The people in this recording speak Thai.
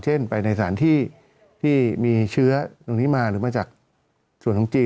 เช่นไปในสถานที่ที่มีเชื้อตรงนี้มาหรือมาจากส่วนของจีน